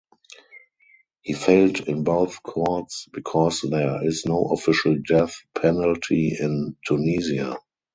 He failed in both courts because there is no official death penalty in Tunisia.